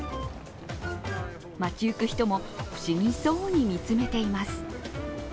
街行く人も不思議そうに見つめています。